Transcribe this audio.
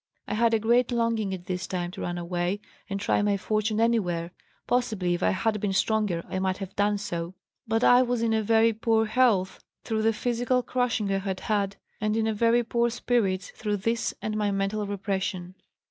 I had a great longing at this time to run away and try my fortune anywhere; possibly if I had been stronger I might have done so. But I was in very poor health through the physical crushing I had had, and in very poor spirits through this and my mental repression.